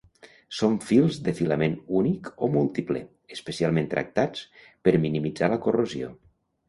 Són fils de filament únic o múltiple, especialment tractats per minimitzar la corrosió.